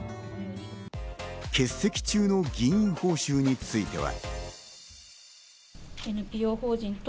欠席中の議員報酬については。